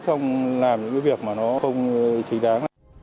xong làm những việc mà nó không chính đáng